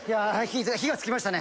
火が付きましたね。